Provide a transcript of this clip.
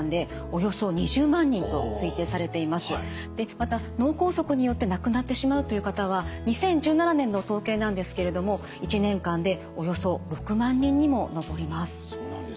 また脳梗塞によって亡くなってしまうという方は２０１７年の統計なんですけれども１年間でおよそ６万人にも上ります。